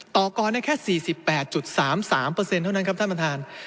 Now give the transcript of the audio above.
ต่อกรณ์เนี่ย๓๘๓๓เท่านั้นครับท่านประธาน